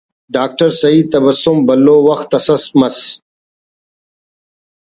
ڈاکٹر سعید تبسم بھلو وخت اس مس